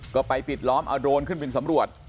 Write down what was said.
ก็ไปปิดล้อมเอาโดรนขึ้นบินสำรวจ